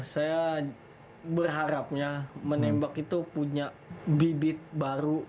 saya berharapnya menembak itu punya bibit baru